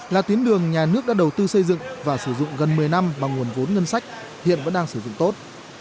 là tuyến đường nhà nước đã đầu tư xây dựng và sử dụng gần một mươi năm bằng nguồn vốn ngân sách hiện vẫn đang sử dụng tốt